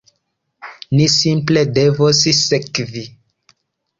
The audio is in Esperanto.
Ni simple devos sekvi.